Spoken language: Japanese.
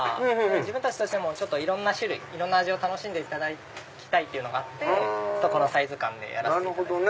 自分たちとしてもいろんな種類いろんな味を楽しんでいただきたいっていうのがあってこのサイズ感でやってます。